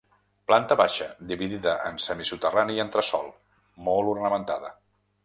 Planta baixa, dividida en semisoterrani i entresòl, molt ornamentada.